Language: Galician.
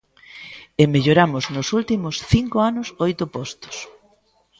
E melloramos nos últimos cinco anos oito postos.